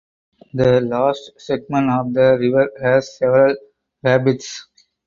The last segment of the river has several rapids.